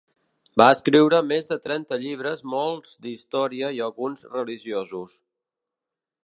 Va escriure més de trenta llibres molts d'història i alguns religiosos.